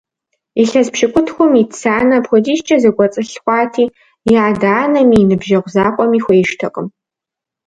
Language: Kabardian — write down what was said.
Илъэс пщыкӏутхум ит Санэ апхуэдизкӀэ зэкӀуэцӀылъ хъуати, и адэ-анэми, и ныбжьэгъу закъуэми хуеижтэкъым.